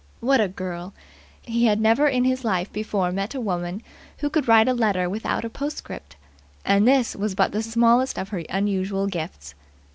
What a girl! He had never in his life before met a woman who could write a letter without a postscript, and this was but the smallest of her unusual gifts.